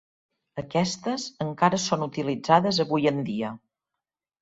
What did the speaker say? Aquestes, encara són utilitzades avui en dia.